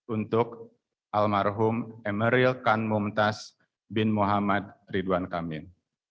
untuk almarhum emeril khan mumtaz bin muhammad ridwan kamin